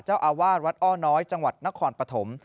เจ้าอาวาสวัดอ้อน้อยจังหวัดนครปฐม